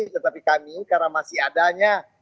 tetapi kami karena masih adanya